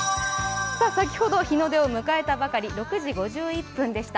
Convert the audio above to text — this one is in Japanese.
先ほど日の出を迎えたばかり、６時５１分でした。